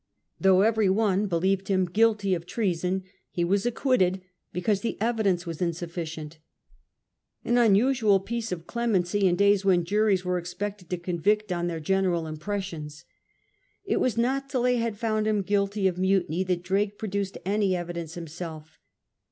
Though every one believed him guilty of treason, he was acquitted because the evidence was insuflScient — an unusual piece of clemency in days when juries were expected to convict on their general impressions. It was not till they had found him guilty of mutiny that Drake produced any evidence himself.